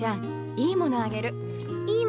いいもの？